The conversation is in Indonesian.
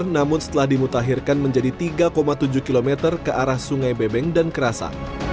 namun setelah dimutahirkan menjadi tiga tujuh km ke arah sungai bebeng dan kerasa